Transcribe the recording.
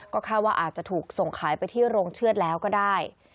ก็คาดว่าอาจจะถูกส่งขายไปที่โรงเชือดแล้วก็ได้